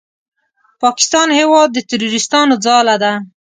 پاکستان هېواد د تروریستانو ځاله ده!